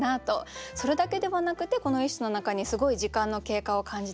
それだけではなくてこの一首の中にすごい時間の経過を感じて。